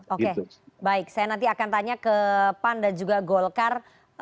oke baik saya nanti akan tanya ke pan dan juga golkar